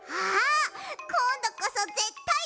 こんどこそぜったいわかった！